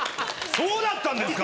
そうだったんですか？